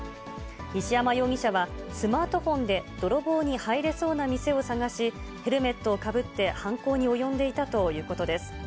西山容疑者はスマートフォンで泥棒に入れそうな店を探し、ヘルメットをかぶって犯行に及んでいたということです。